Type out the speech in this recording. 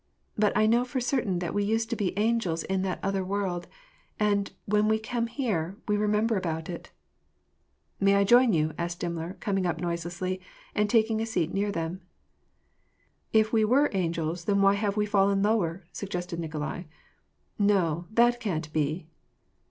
'' But I know for certain that we used to be angels in that other world ; and, when we come here, we remember about it." " May I join you ?" asked Dimmler, coming up noiselessly, and taking a seat near them. " If we were angels, then why have we fallen lower ?" suggested Nikolai. " No, that can't be